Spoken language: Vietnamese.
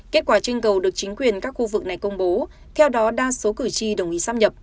kết quả trưng cầu được chính quyền các khu vực này công bố theo đó đa số cử tri đồng ý sắp nhập